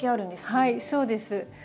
はいそうです。